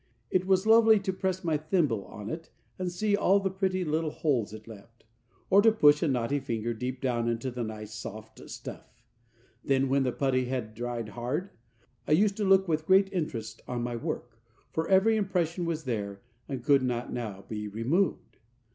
It was lovely to press my thimble on it, and see all the pretty little holes it left; or to push a naughty finger deep down into the nice soft stuff. Then, when the putty had dried hard, I used to look with great interest on my work, for every impression was there, and could not now be removed.